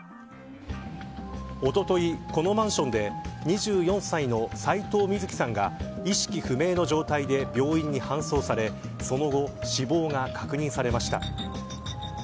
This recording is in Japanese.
おととい、このマンションで２４歳の斎藤瑞希さんが意識不明の状態で病院に搬送されその後、死亡が確認されました。